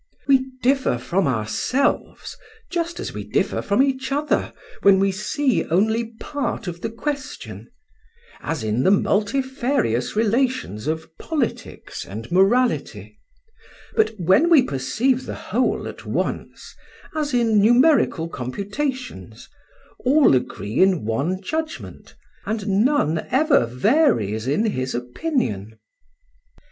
We differ from ourselves just as we differ from each other when we see only part of the question, as in the multifarious relations of politics and morality, but when we perceive the whole at once, as in numerical computations, all agree in one judgment, and none ever varies in his opinion."